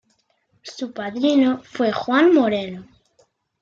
Su padrino fue Juan Moreno.